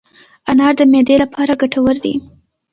انار د معدې لپاره ګټور دی.